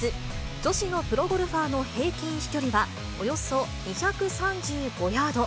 女子のプロゴルファーの平均飛距離は、およそ２３５ヤード。